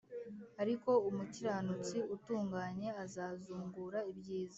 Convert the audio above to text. ariko umukiranutsi utunganye azazungura ibyiza